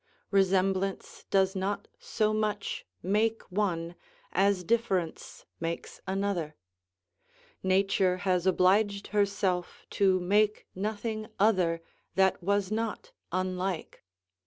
Resemblance does not so much make one as difference makes another. Nature has obliged herself to make nothing other that was not unlike.